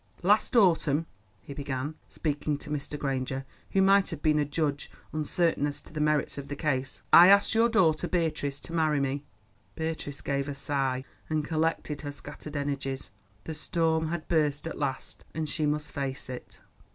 "Last autumn," he began, speaking to Mr. Granger, who might have been a judge uncertain as to the merits of the case, "I asked your daughter Beatrice to marry me." Beatrice gave a sigh, and collected her scattered energies. The storm had burst at last, and she must face it.